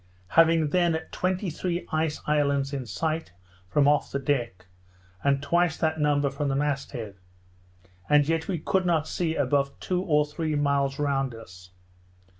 having then twenty three ice islands in sight, from off the deck, and twice that number from the mast head; and yet we could not see above two or three miles round us.